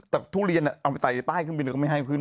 แผลช่างงานถือกินครั้งนี้ก่อน